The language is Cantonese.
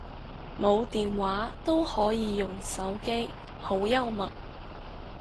冇電話都可以用手機，好幽默